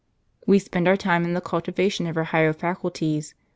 " "We spend our time in the cultivation of our higher fac ulties.